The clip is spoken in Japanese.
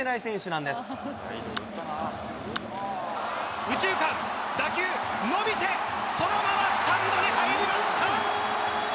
なん右中間、打球、伸びて、そのままスタンドに入りました。